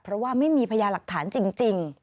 เพราะว่าไม่มีพยาหลักฐานจริง